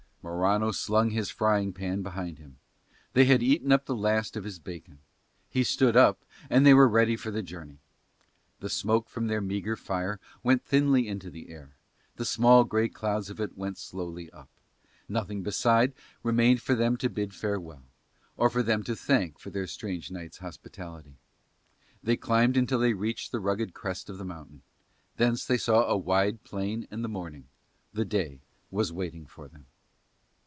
Morano slung his frying pan behind him: they had eaten up the last of his bacon: he stood up, and they were ready for the journey. The smoke from their meagre fire went thinly into the air, the small grey clouds of it went slowly up: nothing beside remained to bid them farewell, or for them to thank for their strange night's hospitality. They climbed till they reached the rugged crest of the mountain; thence they saw a wide plain and the morning: the day was waiting for them.